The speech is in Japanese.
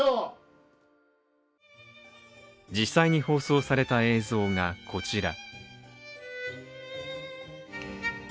実際に放送された映像がこちら。